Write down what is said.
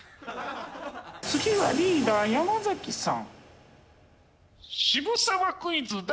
次はリーダー山崎さん。